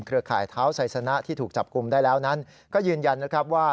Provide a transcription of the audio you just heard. ข่ายเท้าไซสนะที่ถูกจับกลุ่มได้แล้วนั้นก็ยืนยันนะครับว่า